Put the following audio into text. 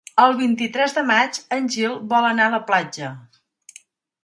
El vint-i-tres de maig en Gil vol anar a la platja.